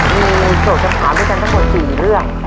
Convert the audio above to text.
มีโจทย์คำถามด้วยกันทั้งหมด๔เรื่อง